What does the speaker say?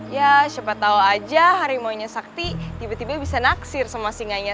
ya siapa tau aja harimaunya sakti tiba tiba bisa naksir sama singanya